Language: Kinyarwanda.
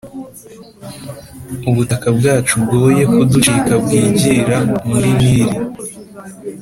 ubutaka bwacu bwoye kuducika bwigira muri nili